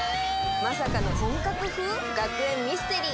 まさかの本格風学園ミステリー！？